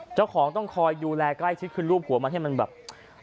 เจ้าของต้องคอยอยู่แลใกล้ชิดขึ้นรูปกลัวมาเหมือนมันบางแบบ